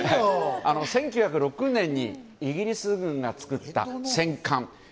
１９０６年にイギリス軍が作った戦艦。